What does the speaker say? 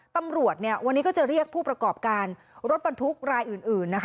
ตำรวจวันนี้ก็จะเรียกผู้ประกอบการรถบรรทุกรายอื่นนะคะ